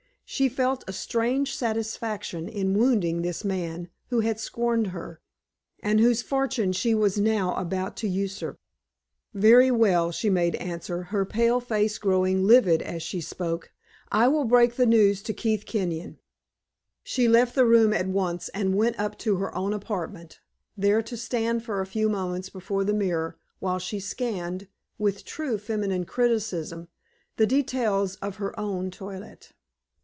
She felt a strange satisfaction in wounding this man who had scorned her, and whose fortune she was now about to usurp. "Very well," she made answer, her pale face growing livid as she spoke; "I will break the news to Keith Kenyon." She left the room at once, and went up to her own apartment, there to stand for a few moments before the mirror, while she scanned, with true feminine criticism, the details of her own toilet.